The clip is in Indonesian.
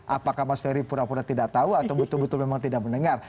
apakah mas ferry pura pura tidak tahu atau betul betul memang tidak mendengar